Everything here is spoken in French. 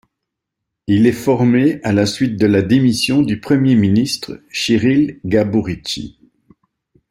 Il est formé à la suite de la démission du Premier ministre Chiril Gaburici.